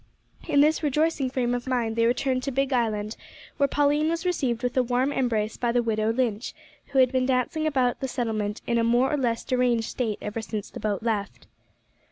In this rejoicing frame of mind they returned to Big Island, where Pauline was received with a warm embrace by the widow Lynch, who had been dancing about the settlement in a more or less deranged state ever since the boat left.